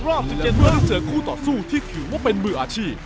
และเมื่อได้เจอคู่ต่อสู้ที่ถือว่าเป็นมืออาชีพ